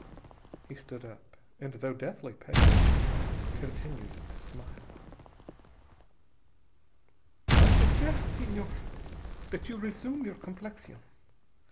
He stood up, and though deathly pale continued to smile. "I suggest, Señor, that you resume your complexion.